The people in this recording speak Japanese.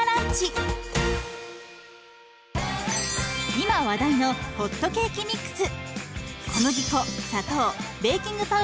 今話題のホットケーキミックス。